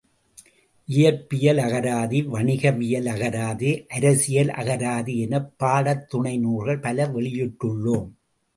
இயற்பியல் அகராதி, வணிகவியல் அகராதி, அரசியல் அகராதி எனப் பாடத்துணை நூல்கள் பல வெளியிட்டுள்ளோம்.